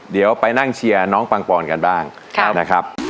เดี๋ยวไปนั่งเชียร์น้องปังปอนกันบ้างนะครับ